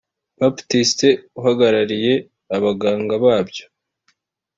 Baptiste uhagarariye abaganga babyo